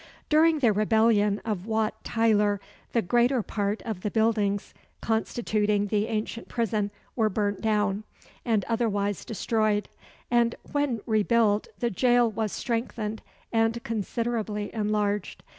During the rebellion of Wat Tyler, the greater part of the buildings constituting the ancient prison were burnt down, and otherwise destroyed; and, when rebuilt, the jail was strengthened and considerably enlarged.